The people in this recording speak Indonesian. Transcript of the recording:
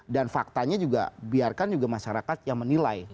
dan faktanya juga biarkan juga masyarakat yang menilai